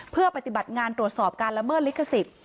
เพื่อปฏิบัติงานตรวจสอบการละเมิดลิขสิทธิ์